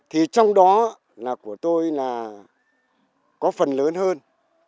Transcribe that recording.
thì trong đó là của tôi là có phần lớn hơn